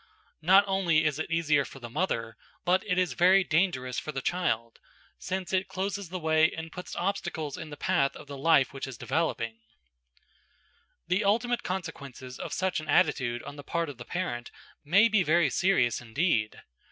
Not only is it easier for the mother, but it is very dangerous for the child, since it closes the way and puts obstacles in the path of the life which is developing The ultimate consequences of such an attitude on the part of the parent may be very serious indeed.